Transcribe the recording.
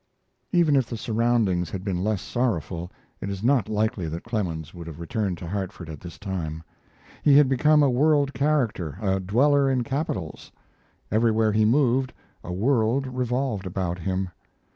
Even if the surroundings had been less sorrowful it is not likely that Clemens would have returned to Hartford at this time. He had become a world character, a dweller in capitals. Everywhere he moved a world revolved about him.